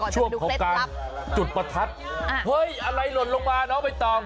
ช่วงของการจุดประทัดเฮ้ยอะไรหล่นลงมาน้องใบตอง